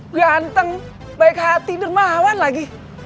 ganteng baik hati dan mawan lagi